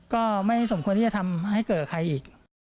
ก็ไม่สมควรที่จะทำให้เกิดใครอีก